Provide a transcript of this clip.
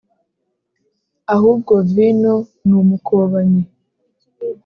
Ahubwo vino numukobanyi